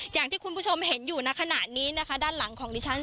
อย่างที่คุณผู้ชมเห็นอยู่ในขณะนี้นะคะด้านหลังของดิฉัน